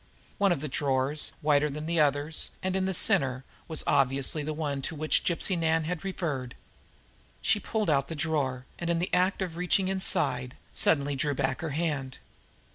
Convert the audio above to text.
One of the drawers, wider than any of the others, and in the center, was obviously the one to which Gypsy Nan referred. She pulled out the drawer, and in the act of reaching inside, suddenly drew back her hand.